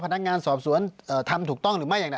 พนักงานสอบสวนทำถูกต้องหรือไม่อย่างไร